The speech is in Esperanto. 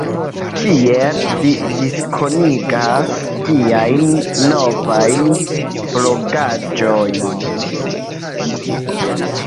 Kiel vi diskonigas viajn novajn blogaĵojn?